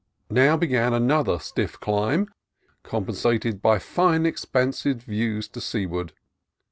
Now began another stiff climb, compensated by fine expansive views to seaward.